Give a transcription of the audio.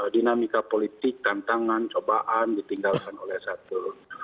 dinamika politik tantangan cobaan ditinggalkan oleh satu